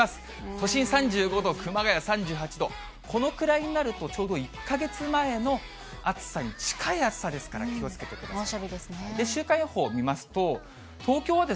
都心３５度、熊谷３８度、このくらいになると、ちょうど１か月前の暑さに近い暑さですから、気をつけてください。